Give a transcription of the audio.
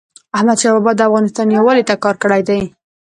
احمدشاه بابا د افغانستان یووالي ته کار کړی دی.